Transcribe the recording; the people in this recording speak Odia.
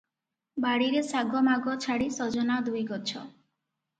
ବାଡ଼ିରେ ଶାଗ ମାଗ ଛାଡ଼ି ସଜନା ଦୁଇ ଗଛ ।